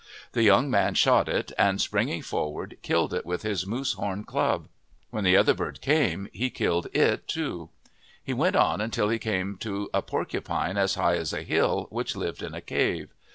The young man shot it, and springing forward, killed it with his moose horn club. When the other bird came, he killed it too. He went on until he came to a porcupine as high as a hill, which lived in a cave.